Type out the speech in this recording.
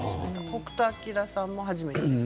北斗晶さんも初めて。